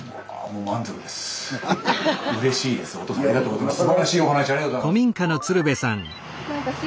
もうすばらしいお話ありがとうございます。